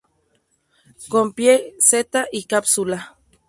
Con pie, seta y cápsula.